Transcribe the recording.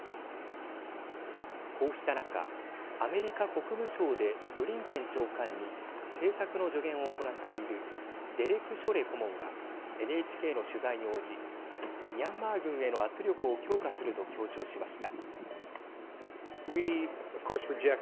こうした中、アメリカ国務省でブリンケン長官に政策の助言を行っているデレク・ショレ顧問がＮＨＫの取材に応じミャンマー軍への圧力を強化すると強調しました。